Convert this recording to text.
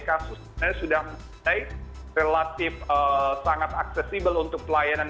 kasus sebenarnya sudah mulai relatif sangat aksesibel untuk pelayanan